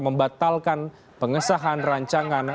membatalkan pengesahan rancangan